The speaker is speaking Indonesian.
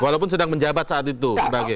walaupun sedang menjabat saat itu